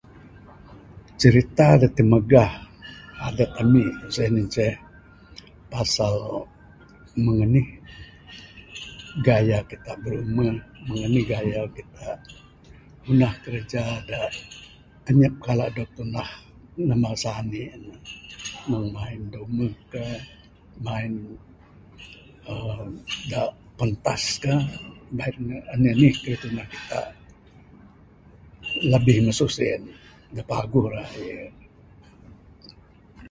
Cirita da timagah dadeg ami sien inceh pasal meng anih gaya kita birumeh meng anih gaya kita ngunah kerja da anyap kala dog tunah namba sanik ne meng main da umeh kah main aaa da pentas kah bait ne anih anih kayuh da tunah kita, labih masu sien da paguh raye.